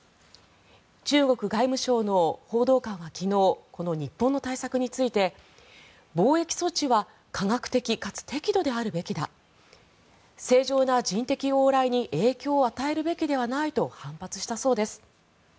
中国外務省の報道官は昨日この日本の対策について防疫措置は科学的かつ適度であるべきだ正常な人的往来に影響を与えるべきではないと反発したそうです。